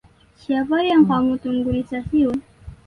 Siapa yang kamu tunggu di stasiun?